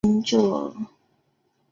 也被称作七宝行者。